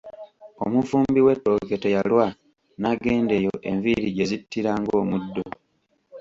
Omufumbi w'ettooke teyalwa n'agenda eyo enviiri gye zittira ng'omuddo.